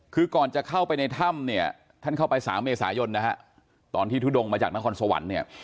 คือก่อนจะเข้าไปในถ้ำเนี่ยท่านเข้าไป๓เมษายนนะฮะตอนที่ทุดงมาจากนครสวรรค์เนี่ย